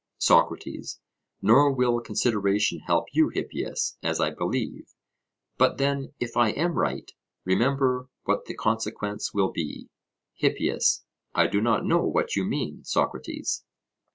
SOCRATES: Nor will consideration help you, Hippias, as I believe; but then if I am right, remember what the consequence will be. HIPPIAS: I do not know what you mean, Socrates.